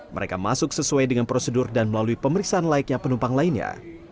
mereka masuk sesuai dengan prosedur dan melalui pemeriksaan laiknya penumpang lainnya